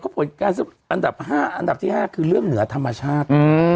ก็พกดการณ์ที่๕คือเรื่องเหนือธรรมชาติ